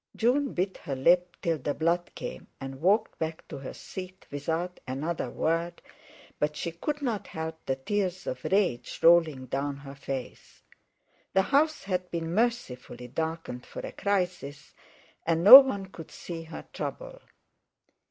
June bit her lip till the blood came, and walked back to her seat without another word, but she could not help the tears of rage rolling down her face. The house had been mercifully darkened for a crisis, and no one could see her trouble.